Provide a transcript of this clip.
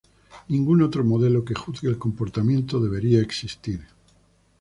Ningún otro modelo que juzgue el comportamiento debería existir.